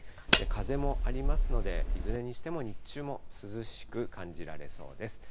風もありますので、いずれにしても日中も涼しく感じられそうです。